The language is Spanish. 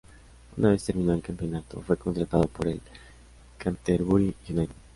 Una vez terminó el campeonato, fue contratado por el Canterbury United.